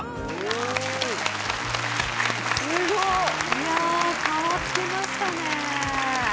いやあ変わってましたね